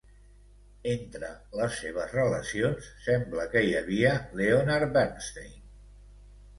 Entre les seves relacions, sembla que hi havia Leonard Bernstein.